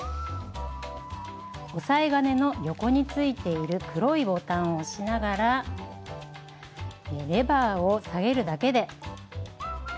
おさえ金の横についている黒いボタンを押しながらレバーを下げるだけで。